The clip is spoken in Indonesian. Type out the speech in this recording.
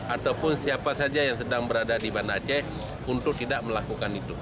ataupun siapa saja yang sedang berada di banda aceh untuk tidak melakukan itu